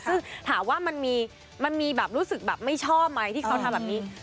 ซึ่งถามว่ามันมีแบบรู้สึกแบบไม่ชอบไหมที่เขาทำแบบนี้